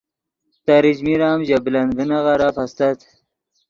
تریچمیر ام ژے بلند ڤینغیرف استت